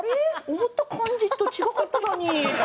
「思った感じと違かっただに」って。